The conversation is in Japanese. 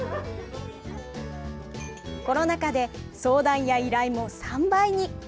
コロナ禍で相談や依頼も３倍に！